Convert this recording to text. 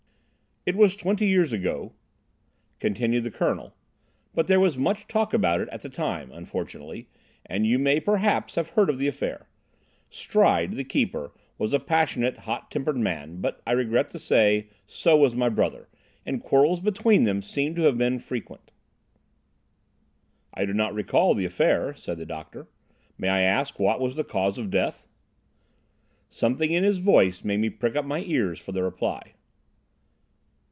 "It was twenty years ago," continued the Colonel, "but there was much talk about it at the time, unfortunately, and you may, perhaps, have heard of the affair. Stride, the keeper, was a passionate, hot tempered man but I regret to say, so was my brother, and quarrels between them seem to have been frequent." "I do not recall the affair," said the doctor. "May I ask what was the cause of death?" Something in his voice made me prick up my ears for the reply.